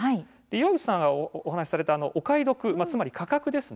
岩渕さんのお話しされたお買い得つまり価格ですね